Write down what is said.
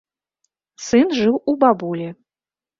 Сын жыў у бабулі.